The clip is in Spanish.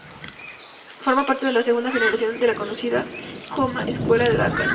Forma parte de la segunda generación de la conocida coma 'Escuela de Dakar'.